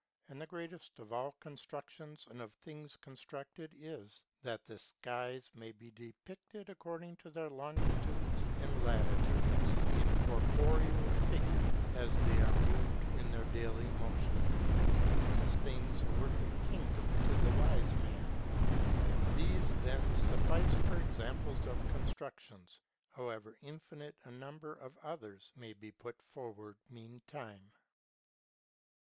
And the greatest of all constructions and of things constructed is, that the skies may be depicted according to their longitudes and latitudes, THE NON EXISTENCE OF MAGIC. 351 in corporal figure, as they are moved in their daily motion ; and these things are worth a kingdom to the wise man. These, then, suffice for examples of constructions, however infinite a num ber of others may be put forward meantime.